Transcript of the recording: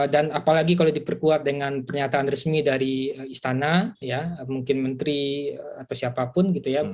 dan apalagi kalau diperkuat dengan pernyataan resmi dari istana mungkin menteri atau siapapun